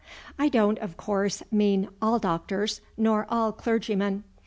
I don't, of course, mean all doctors nor all clergymen.